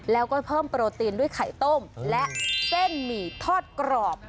แล้วก็เพิ่มโปรตีนด้วยไข่ต้มและเส้นหมี่ทอดกรอบ